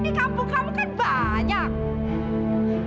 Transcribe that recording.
di kampung kamu kan banyak